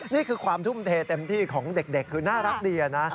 นี่คือความทุ่มเทเต็มที่ของเด็กคือน่ารักดีนะ